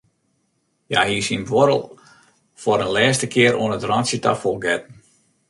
Hja hie syn buorrel foar in lêste kear oan it rântsje ta fol getten.